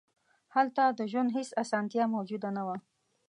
هلته د ژوند هېڅ اسانتیا موجود نه وه.